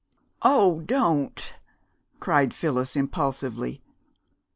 "Oh, don't!" cried Phyllis impulsively.